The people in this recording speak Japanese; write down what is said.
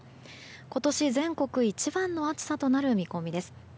今年、全国一番の暑さとなる見込みです。